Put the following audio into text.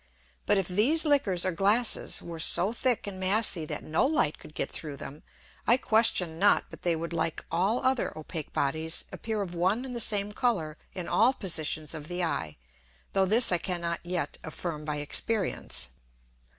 But, if these Liquors or Glasses were so thick and massy that no Light could get through them, I question not but they would like all other opake Bodies appear of one and the same Colour in all Positions of the Eye, though this I cannot yet affirm by Experience.